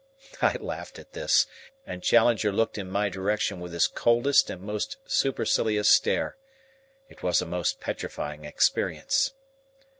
I laughed at this, and Challenger looked in my direction with his coldest and most supercilious stare. It was a most petrifying experience.